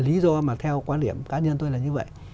lý do mà theo quan điểm cá nhân tôi là như vậy